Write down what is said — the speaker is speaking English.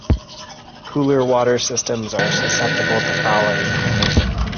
Cooling water systems are susceptible to fouling.